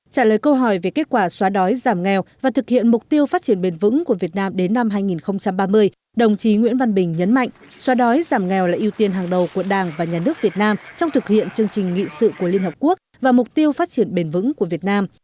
trả lời câu hỏi về kết quả xóa đói giảm nghèo và thực hiện mục tiêu phát triển bền vững của việt nam đến năm hai nghìn ba mươi đồng chí nguyễn văn bình nhấn mạnh xóa đói giảm nghèo là ưu tiên hàng đầu của đảng và nhà nước việt nam trong thực hiện chương trình nghị sự của liên hợp quốc và mục tiêu phát triển bền vững của việt nam